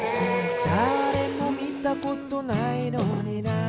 「だれもみたことないのにな」